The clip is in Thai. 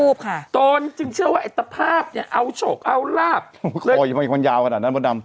ครูบค่ะโตนจึงเชื่อว่าไอ้ตะภาพเนี่ยเอาโฉกเอาลาบโคยมันยาวขนาดนั้นบนดำ